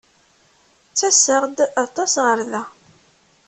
Ttaseɣ-d aṭas ɣer da.